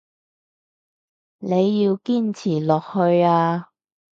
你要堅持落去啊